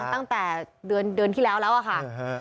ตั้งแต่เดือนที่แล้วค่ะ